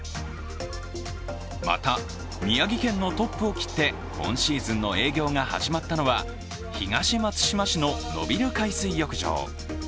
また、宮城県のトップを切って今シーズンの営業が始まったのは東松島市の野蒜海水浴場。